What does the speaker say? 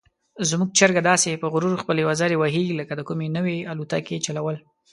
زموږ چرګه داسې په غرور خپلې وزرې وهي لکه د کومې نوې الوتکې چلول.